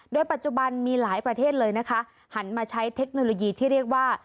โดยปัจจุบันมีหลายประเทศเลยนะคะหันมาใช้เทคโนโลยีที่เรียกว่า